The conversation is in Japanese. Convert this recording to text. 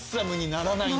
ならない。